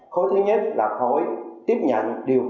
khối thứ nhất là khối tiếp nhận điều khối